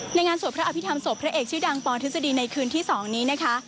งานสวดพระอภิษฐรรศพพระเอกชื่อดังปทฤษฎีในคืนที่๒นี้นะคะ